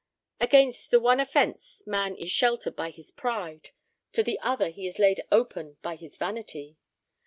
Against the one offence man is sheltered by his pride; to the other he is laid open by his vanity.